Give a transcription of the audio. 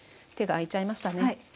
手が空いちゃいましたね。